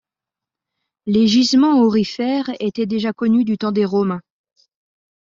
Les gisements aurifères étaient déjà connus du temps des Romains.